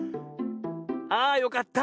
あよかった。